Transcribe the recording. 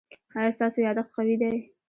ایا ستاسو یادښت قوي دی؟